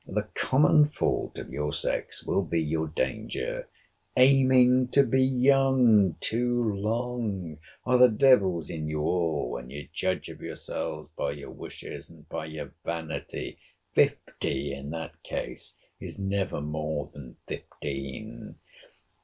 The common fault of your sex will be your danger: aiming to be young too long!—The devil's in you all, when you judge of yourselves by your wishes, and by your vanity! Fifty, in that case, is never more than fifteen.